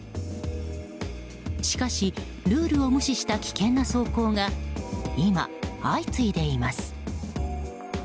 しかしルールを無視した危険な走行が今、相次いでいます。